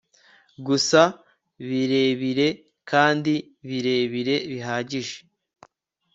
gusa birebire kandi birebire bihagije